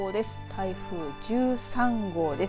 台風１３号です。